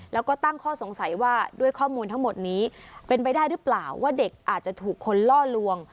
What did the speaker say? แล้วก็ตั้งข้อสงสัยว่าด้วยข้อมูลทั้งหมดนี้เป็นไปได้หรือเปล่าว่าเด็กอาจจะถูกคนล่อลวง